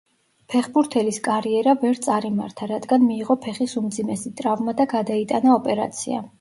ფეხბურთელის კარიერა ვერ წარიმართა, რადგან მიიღო ფეხის უმძიმესი ტრავმა და გადაიტანა ოპერაცია.